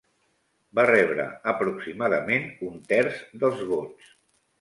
Va rebre aproximadament un terç dels vots.